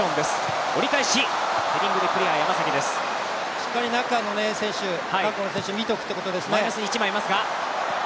しっかり中の選手、韓国の選手を見ておくということですね。